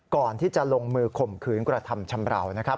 ก่อนที่จะลงมือข่มขืนกระทำชำราวนะครับ